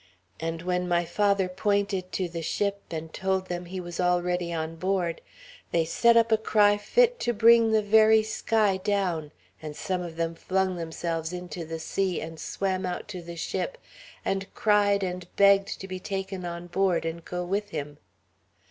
And when my father pointed to the ship, and told them he was already on board, they set up a cry fit to bring the very sky down; and some of them flung themselves into the sea, and swam out to the ship, and cried and begged to be taken on board and go with him.